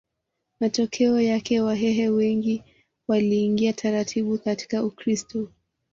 Matokeo yake Wahehe wengi waliingia taratibu katika Ukristo